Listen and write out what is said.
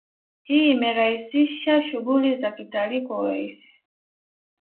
Hii imerahisisha shughuli za kitalii kwa urahisi